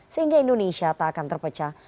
sehingga indonesia tak akan terpecah